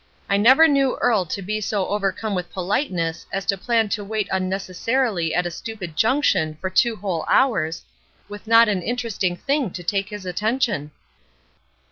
I never knew Earle to be so over come with politeness as to plan to wait un necessarily at a stupid junction for two whole hours, with not an interesting thing to take his attention."